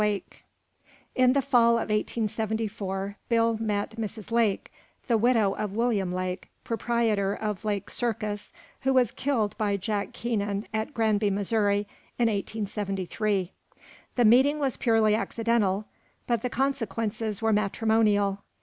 LAKE. In the fall of 1874, Bill met Mrs. Lake, the widow of William Lake, proprietor of Lake's circus, who was killed by Jack Keenan at Granby, Missouri, in 1873. The meeting was purely accidental, but the consequences were matrimonial.